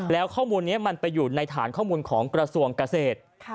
แล้วข้อมูลนี้มันไปอยู่ในฐานข้อมูลของกระทรวงเกษตร